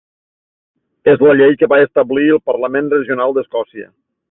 És la llei que va establir el Parlament regional d'Escòcia.